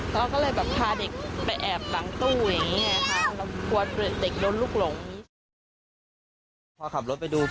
เราก็เลยพาเด็กไปแอบหลังตู้อย่างนี้ค่ะแล้วกลัวเด็กโดนลูกหลง